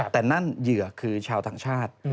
แต่นั่นเหยื่อคือชาวต่างชาติ